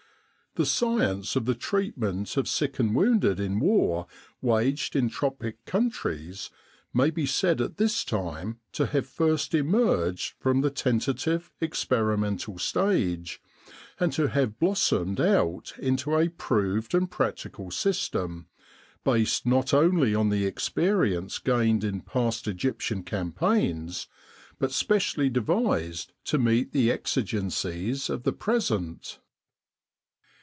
The science of the treatment of sick and wounded in war w^aged in tropic countries may be said at this time to have first emerged from the tentative, experimental stage, and to have blos somed out into a proved and practical system, based not only on the experience gained in past Egyptian campaigns, but specially devised to meet the exig encies of the present.